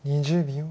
２０秒。